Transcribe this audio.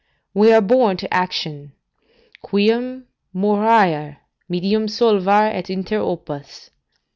We are born to action: "Quum moriar, medium solvar et inter opus."